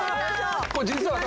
これ実は私。